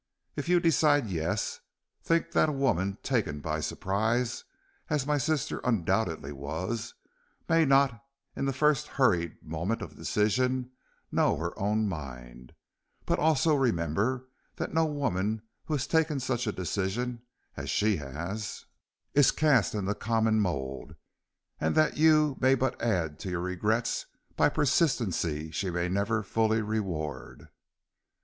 If you decide yes, think that a woman taken by surprise, as my sister undoubtedly was, may not in the first hurried moment of decision know her own mind, but also remember that no woman who has taken such a decision as she has, is cast in the common mould, and that you may but add to your regrets by a persistency she may never fully reward."